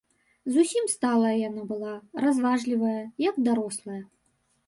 Зусім сталая яна была, разважлівая, як дарослая.